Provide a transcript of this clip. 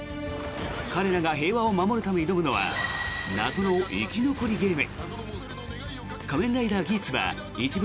彼らが平和を守るため挑むのは謎の生き残りゲーム。